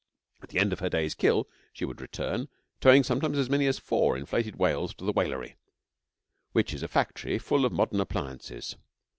At the end of her day's kill she would return, towing sometimes as many as four inflated whales to the whalery, which is a factory full of modern appliances.